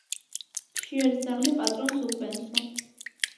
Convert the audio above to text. მშიერი ძაღლი პატრონს უკბენსო